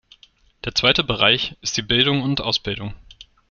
Der zweite Bereich ist die Bildung und Ausbildung.